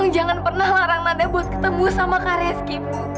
nanda jangan pernah larang nanda buat ketemu sama kak rezki ibu